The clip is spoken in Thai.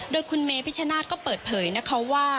โดยคุณเมพิชชนาธิ์ก็เปิดเผยนะคะว่า